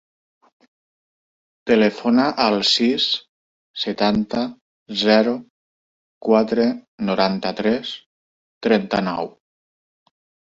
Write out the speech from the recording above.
Telefona al sis, setanta, zero, quatre, noranta-tres, trenta-nou.